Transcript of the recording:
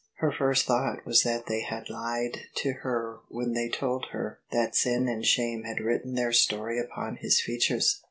Her first thought was that they had lied to her when they told her that sin and shame had written their story upon his features.